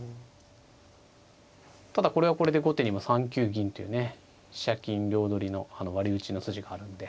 ただこれはこれで後手にも３九銀というね飛車金両取りの割り打ちの筋があるんで。